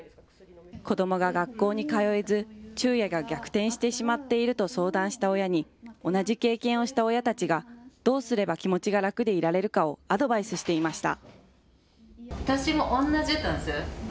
子どもが学校に通えず、昼夜が逆転してしまっていると相談した親に、同じ経験をした親たちが、どうすれば気持ちが楽でいられるかをアドバイスしていました。